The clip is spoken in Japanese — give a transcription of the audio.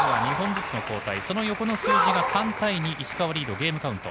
その横の数字が３対２石川リード、ゲームカウント。